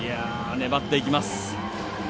粘っていきます。